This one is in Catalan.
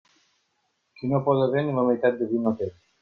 Qui no poda bé, ni la meitat de vi no té.